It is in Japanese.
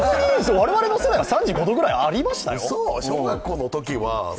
我々の世代は３５度ぐらいありましたよ。